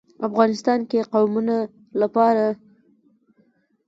افغانستان کې د قومونه لپاره دپرمختیا پروګرامونه شته.